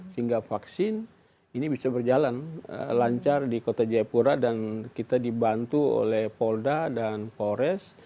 sehingga vaksin ini bisa berjalan lancar di kota jayapura dan kita dibantu oleh polda dan polres